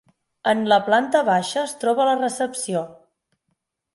En la planta baixa es troba la recepció.